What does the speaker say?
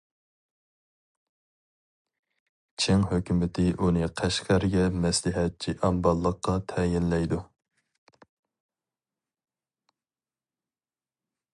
چىڭ ھۆكۈمىتى ئۇنى قەشقەرگە مەسلىھەتچى ئامباللىققا تەيىنلەيدۇ.